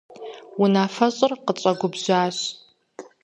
Унафэщӏыр къытщӀэгубжьащ.